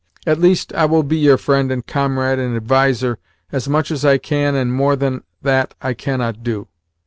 At least, I will be your friend and comrade and adviser as much as I can and more than that I cannot do.